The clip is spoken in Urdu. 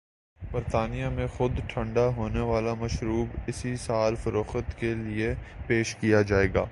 برطانیہ میں خود ٹھنڈا ہونے والا مشروب اسی سال فروخت کے لئے پیش کیاجائے گا۔